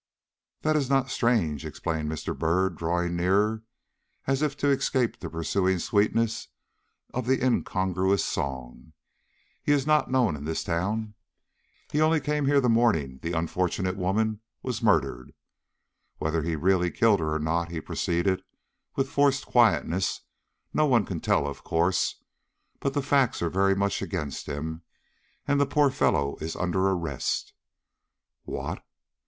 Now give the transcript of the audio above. "That is not strange," explained Mr. Byrd, drawing nearer, as if to escape that pursuing sweetness of incongruous song. "He is not known in this town. He only came here the morning the unfortunate woman was murdered. Whether he really killed her or not," he proceeded, with forced quietness, "no one can tell, of course. But the facts are very much against him, and the poor fellow is under arrest." "What?"